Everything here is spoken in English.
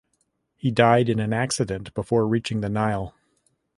He died in an accident before reaching the Nile.